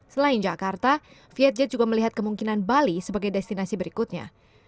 selain jakarta vietjet juga melihat kemungkinan bali sebagai destinasi berikutnya